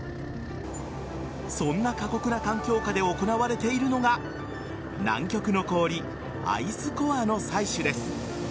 そんな過酷な環境下で行われているのが南極の氷・アイスコアの採取です。